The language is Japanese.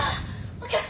お客様！